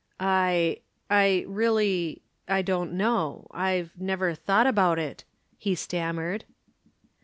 "I I really I don't know I've never thought about it," he stammered.